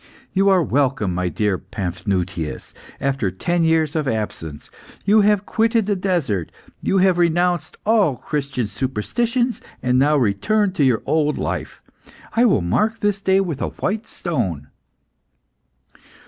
You are welcome, my dear Paphnutius, after ten years of absence. You have quitted the desert; you have renounced all Christian superstitions, and now return to your old life. I will mark this day with a white stone."